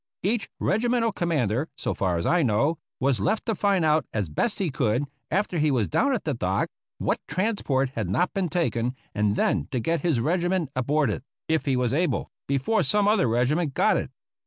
Each regimental com mander, so far as I know, was left to find out as best he could, after he was down at the dock, what transport had not been taken, and then to get his regiment aboard it, if he was able, before some other regiment got it.